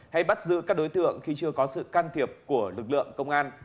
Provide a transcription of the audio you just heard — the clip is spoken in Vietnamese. hay bắt giữ các đối tượng khi chưa có sự can thiệp của lực lượng công an